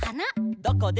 「どこでも」